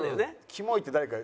「キモい」って誰か。